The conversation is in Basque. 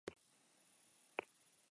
Lehen zatia erritmo biziarekin hasi da.